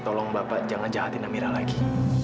tolong bapak jangan jahatin amira lagi